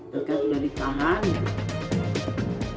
bekas sudah dikahan